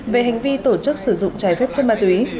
về hành vi tổ chức sử dụng trái phép chất ma túy